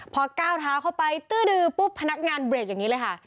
พอก้าวเท้าเข้าไปตื้อดือปุ๊บพนักงานเบรกอย่างนี้เลยค่ะ